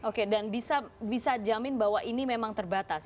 oke dan bisa jamin bahwa ini memang terbatas